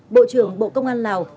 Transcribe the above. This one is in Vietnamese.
bộ trưởng bộ công an lào